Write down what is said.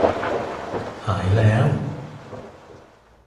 หายแล้ว